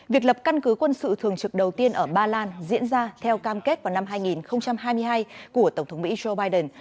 việc lập căn cứ quân sự thường trực đầu tiên ở ba lan diễn ra theo cam kết vào năm hai nghìn hai mươi hai của tổng thống mỹ joe biden